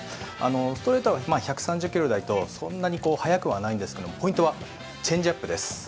ストレートは１３０キロ台とそんなに速くはないんですがポイントはチェンジアップです。